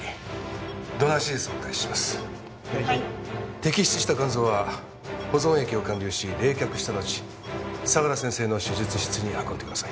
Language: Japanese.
摘出した肝臓は保存液を潅流し冷却した後相良先生の手術室に運んでください。